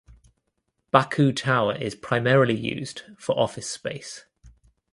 Baku Tower is primarily used for office space.